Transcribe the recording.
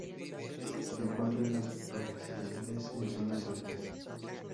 Se encuentra en los pastizales en zonas altas.